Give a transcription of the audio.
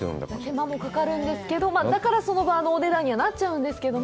手間もかかるんですけど、だから、あのお値段になっちゃうんですけども。